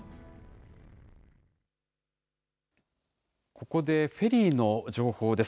ここでフェリーの情報です。